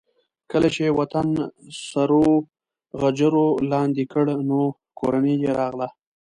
کله چې یې وطن سرو غجرو لاندې کړ نو کورنۍ یې راغله.